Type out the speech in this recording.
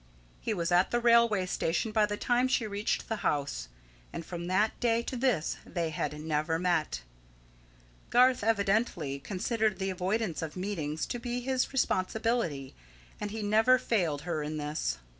He was at the railway station by the time she reached the house, and from that day to this they had never met. Garth evidently considered the avoidance of meetings to be his responsibility, and he never failed her in this.